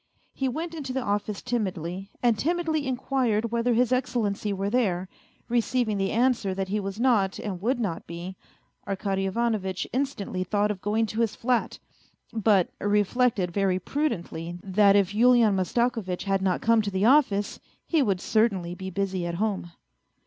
He went into the office timidly, and timidly inquired whether His Excellency were there ; receiving the answer that he was not and would not be, Arkady Ivanovitch instantly thought of going to his flat, but reflected very prudently that if Yulian Mastakovitch had not come to the office he would certainly be busy at home.